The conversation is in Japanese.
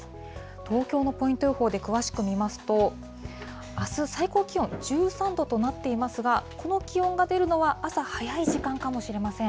東京のポイント予報で詳しく見ますと、あす最高気温１３度となっていますが、この気温が出るのは朝早い時間かもしれません。